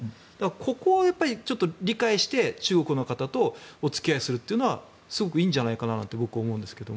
ここを理解して、中国の方とお付き合いするというのはすごくいいんじゃないかなと僕、思うんですけども。